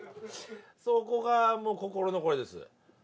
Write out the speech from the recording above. そこがもう心残りです。